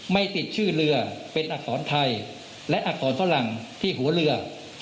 ไม่ติดชื่อเรือเป็นอักษรไทยและอักษรฝรั่งที่หัวเรือ